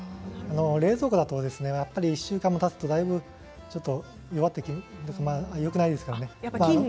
冷蔵庫だとやっぱり１週間もたつとだいぶ弱ってよくないですね。